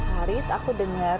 haris aku dengar